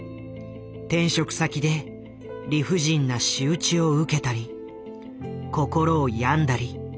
転職先で理不尽な仕打ちを受けたり心を病んだり。